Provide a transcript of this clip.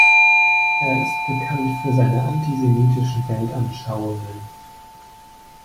Er ist bekannt für seine antisemitischen Weltanschauungen.